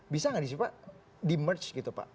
bisa nggak sih pak di merge gitu pak